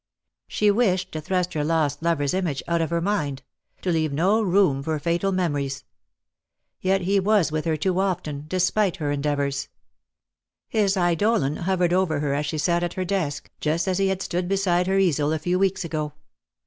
She wished to thrust her lost lover's image out of her mind — to leave no room for fatal memories. Yet he was with her too often, despite her endeavours. His eidolon hovered over her as she sat tit her desk, just as he had stood beside her easel a few weeks ago.